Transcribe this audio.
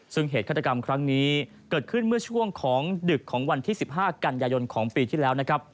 ซึ่งเหตุฆาตกรรมครั้งนี้เกิดขึ้นเมื่อช่วงของดึกของวันที่๑๕กันยายนของปีที่แล้วนะครับ